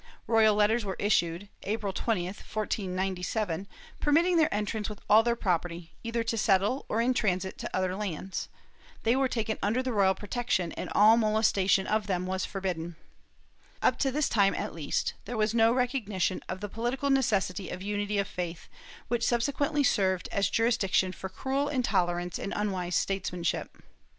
Royal letters were issued, April 20, 1497, permitting their entrance with all their property, either to settle or in transit to other lands; they were taken under the royal protection and all molestation of them was forbidden,^ Up to this time, at least, there was no recognition of the political necessity of unity of faith, which subsequently served as justification for cruel intolerance and imwise statesmanship.